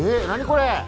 これ。